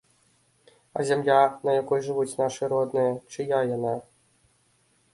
А зямля, на якой жывуць нашы родныя, чыя яна?